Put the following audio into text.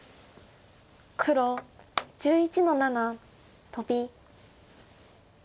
黒１１の七トビ。